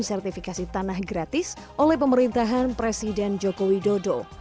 sertifikasi tanah gratis oleh pemerintahan presiden jokowi dodo